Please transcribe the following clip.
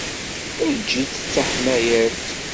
Eǧǧ-itt d taḥmayant.